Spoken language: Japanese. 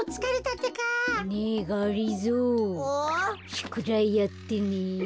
しゅくだいやってね。